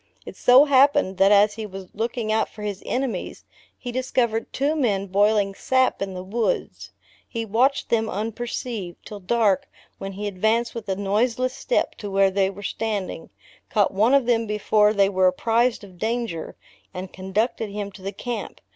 It so happened, that as he was looking out for his enemies, he discovered two men boiling sap in the woods. He watched them unperceived, till dark when he advanced with a noiseless step to where they were standing, caught one of them before they were apprized of danger, and conducted him to the camp.